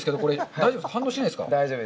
大丈夫です。